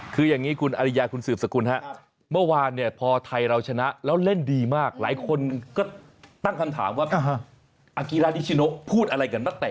คืออย่างนี้คุณอริยาคุณสืบสกุลฮะเมื่อวานเนี่ยพอไทยเราชนะแล้วเล่นดีมากหลายคนก็ตั้งคำถามว่าอากิรานิชิโนพูดอะไรกับนักเตะ